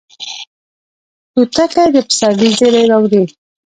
توتکۍ د پسرلي زیری راوړي